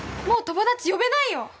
もう友達呼べないよ！